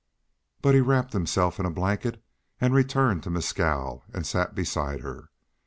But he wrapped himself in a blanket and returned to Mescal and sat beside her.